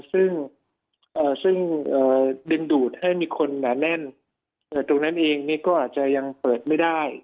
ซึ่งดึงดูดให้มีคนหนาแน่นตรงนั้นเองก็อาจจะยังเปิดไม่ได้